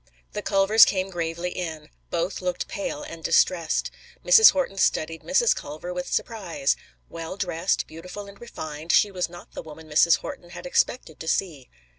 The Culvers came gravely in. Both looked pale and distressed. Mrs. Horton studied Mrs. Culver with surprise. Well dressed, beautiful and refined, she was not the woman Mrs. Horton had expected to see.